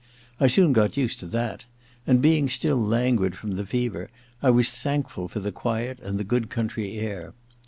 I soon got used to that ; and being still languid from the fever I was thank ful for the quiet and the good country air.